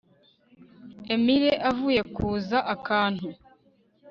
Emire avuye kuza akantu